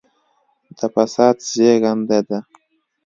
د فساد زېږنده ده.